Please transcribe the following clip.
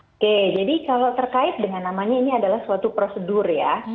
oke jadi kalau terkait dengan namanya ini adalah suatu prosedur ya